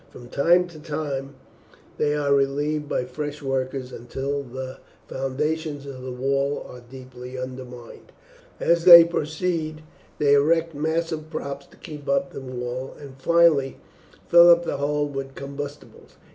From time to time they are relieved by fresh workers until the foundations of the wall are deeply undermined. As they proceed they erect massive props to keep up the wall, and finally fill up the hole with combustibles.